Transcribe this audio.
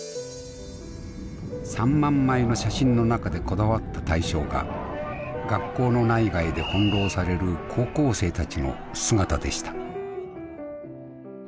３万枚の写真の中でこだわった対象が学校の内外で翻弄される高校生たちの姿でした。